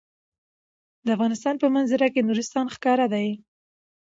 د افغانستان په منظره کې نورستان ښکاره ده.